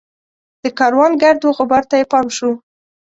د کاروان ګرد وغبار ته یې پام شو.